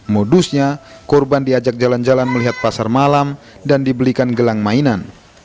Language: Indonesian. modusnya korban diajak jalan jalan melihat pasar malam dan dibelikan gelang mainan